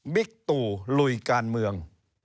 ตู่ลุยการเมือง